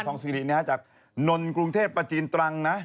ทองศิริเนี่ยครับจากนนกรุงเทศประจีนตรังนะ